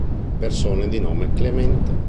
Persone di nome Clemente